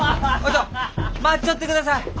ちょ待っちょってください！